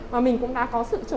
mà mình cũng đã có sự trở lại